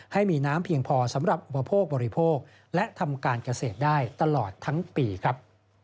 ให้มีน้ำเพียงพอสำหรับอุปโภคบริโภคและทำการเกษตรได้ตลอดทั้งปีครับ